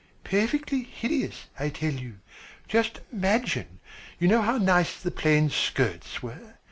"Perfectly hideous, I tell you. Just imagine, you know how nice the plain skirts were.